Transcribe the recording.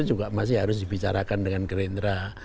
juga masih harus dibicarakan dengan gerindra